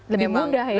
lebih mudah ya